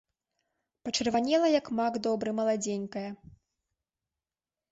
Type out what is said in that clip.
Пачырванела, як мак добры, маладзенькая.